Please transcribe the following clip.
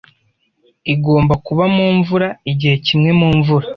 "Igomba kuba mu mvura. Igihe kimwe mu mvura.